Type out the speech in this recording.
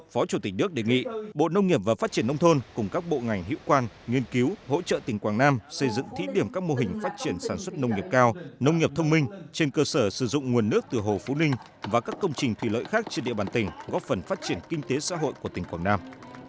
phó chủ tịch nước đề nghị bộ nông nghiệp và phát triển nông thôn cùng các bộ ngành hữu quan nghiên cứu hỗ trợ tỉnh quảng nam xây dựng thí điểm các mô hình phát triển sản xuất nông nghiệp cao nông nghiệp thông minh trên cơ sở sử dụng nguồn nước từ hồ phú ninh và các công trình thủy lợi khác trên địa bàn tỉnh góp phần phát triển kinh tế xã hội của tỉnh quảng nam